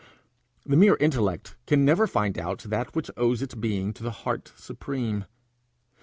The mere intellect can never find out that which owes its being to the heart supreme.